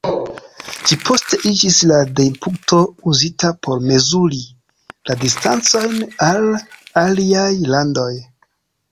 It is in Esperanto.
Ĝi poste iĝis la deirpunkto uzita por mezuri la distancojn al aliaj landoj.